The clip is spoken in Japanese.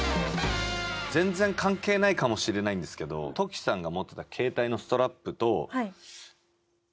全然関係ないかもしれないんですけど土岐さんが持ってた携帯のストラップと。